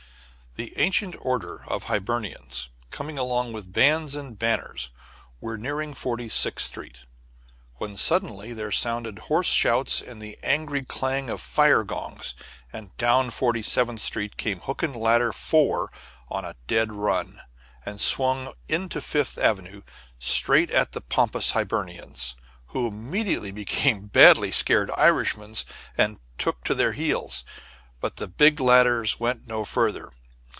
The Ancient Order of Hibernians, coming along with bands and banners, were nearing Forty sixth Street, when suddenly there sounded hoarse shouts and the angry clang of fire gongs, and down Forty seventh Street came Hook and Ladder 4 on a dead run, and swung into Fifth Avenue straight at the pompous Hibernians, who immediately became badly scared Irishmen and took to their heels. But the big ladders went no farther.